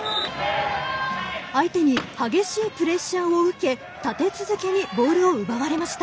相手に激しいプレッシャーを受け立て続けにボールを奪われました。